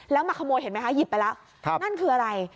แล้วมาขโมยเห็นไหมคะหยิบไปแล้วนั่นคืออะไร